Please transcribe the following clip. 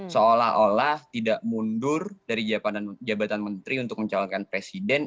seolah olah tidak mundur dari jabatan menteri untuk mencalonkan presiden